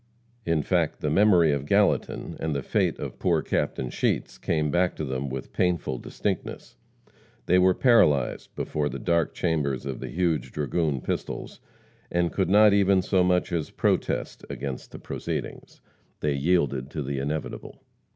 In fact, the memory of Gallatin, and the fate of poor Captain Sheets, came back to them with painful distinctness. They were paralyzed before the dark chambers of the huge dragoon pistols, and could not even so much as protest against the proceedings. They yielded to the inevitable.